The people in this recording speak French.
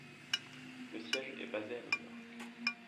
Le siège est basé à New York.